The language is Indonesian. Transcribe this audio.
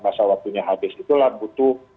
masa waktunya habis itulah butuh